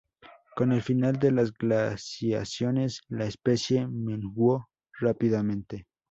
Con el final de las glaciaciones la especie menguó rápidamente.